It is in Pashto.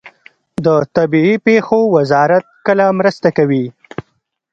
د طبیعي پیښو وزارت کله مرسته کوي؟